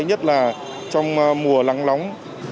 đấy nhất là trong mùa lắng lóng